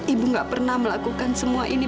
ibu gak pernah melakukan semua ini